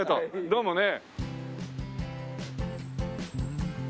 どうもね。